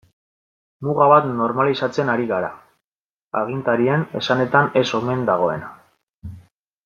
Muga bat normalizatzen ari gara, agintarien esanetan ez omen dagoena.